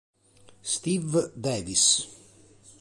Steve Davies